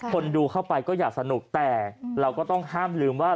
คนดูเข้าไปก็อยากสนุกแต่เราก็ต้องห้ามลืมว่า